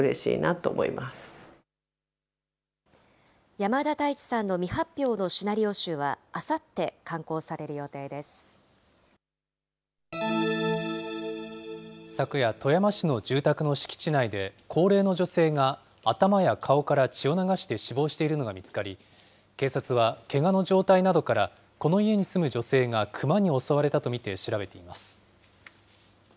山田太一さんの未発表のシナリオ集は、あさって刊行される予昨夜、富山市の住宅の敷地内で、高齢の女性が頭や顔から血を流して死亡しているのが見つかり、警察はけがの状態などから、この家に住む女性がクマに襲われたと見て調べています。